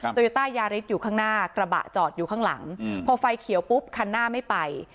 โยต้ายาริสอยู่ข้างหน้ากระบะจอดอยู่ข้างหลังพอไฟเขียวปุ๊บคันหน้าไม่ไป